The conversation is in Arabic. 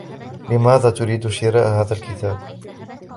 لماذا تريد شراء هذا الكتاب؟